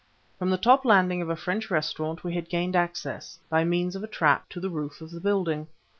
From the top landing of a French restaurant we had gained access, by means of a trap, to the roof of the building.